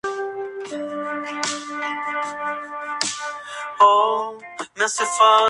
Los boticarios de Barcelona sin embargo, continuaron guiándose por la antigua Concordia.